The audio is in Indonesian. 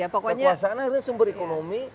kekuasaan akhirnya sumber ekonomi